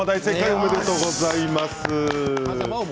おめでとうございます。